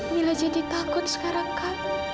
mila jadi takut sekarang kak